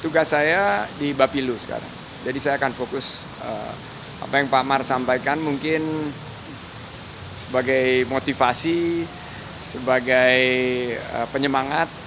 tugas saya di bapilu sekarang jadi saya akan fokus apa yang pak mar sampaikan mungkin sebagai motivasi sebagai penyemangat